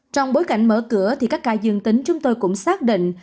trong bối cảnh mở cửa thì các ca dương tính chúng tôi cũng xác định